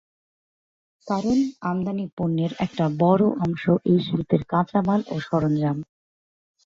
কারণ, আমদানি পণ্যের একটা বড় অংশ এই শিল্পের কাঁচামাল ও সরঞ্জাম।